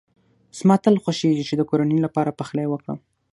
زما تل خوښېږی چي د کورنۍ لپاره پخلی وکړم.